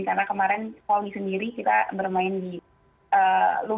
karena kemarin kalau di sendiri kita lumayan cukup di bandara